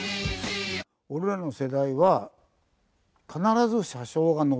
俺らの世代は必ず車掌が乗ってたの。